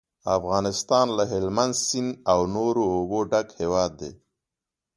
افغانستان له هلمند سیند او نورو اوبو ډک هیواد دی.